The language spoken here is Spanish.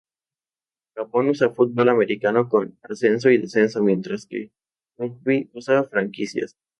Japón usa fútbol americano con ascenso y descenso, mientras que su rugby usa franquicias.